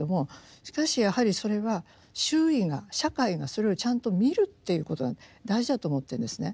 しかしやはりそれは周囲が社会がそれをちゃんと見るっていうことが大事だと思ってるんですね。